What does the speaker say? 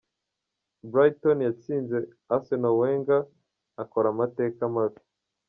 Brighton yatsinze Arsenal Wenger akora amateka mabi.